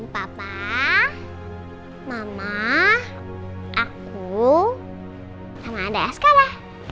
papa mama aku sama ada skl ya